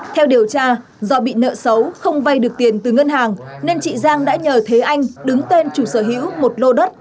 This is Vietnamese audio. theo điều tra do bị nợ xấu không vay được tiền từ ngân hàng nên chị giang đã nhờ thế anh đứng tên chủ sở hữu một lô đất